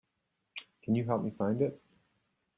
Can you help me find it?